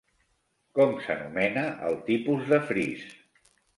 Com s'anomena el tipus de fris?